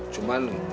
ya udah nih